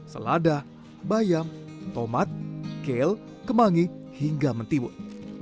selada bayam tomat kele kemangi hingga mentiwut